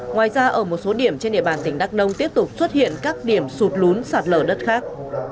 ngoài ra ở một số điểm trên địa bàn tỉnh đắk nông tiếp tục xuất hiện các điểm sụt lún sạt lở đất khác